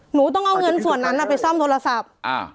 หนูต้องเอาเงินส่วนนั้นไปซ่อมโทรศัพท์